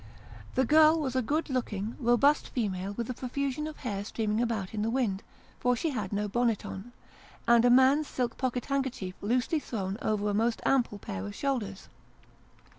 The girl was a good looking robust female, with a profusion of hair streaming about in the wind for she had no bonnet on and a man's silk pocket handkerchief loosely thrown over a most ample pair of shoulders.